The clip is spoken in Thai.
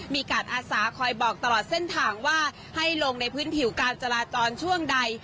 มีการอาสาคอยบอกตลอดเส้นทางว่าให้ลงในพื้นผิวการจราจรช่วงใด